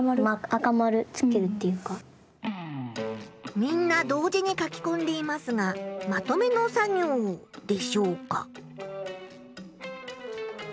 みんな同時に書きこんでいますがまとめの作業でしょうか？